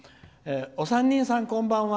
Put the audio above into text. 「お三人さん、こんばんは」。